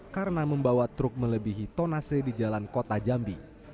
karena membawa truk melebihi tonase di jalan kota jambi